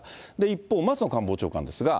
一方、松野官房長官ですが。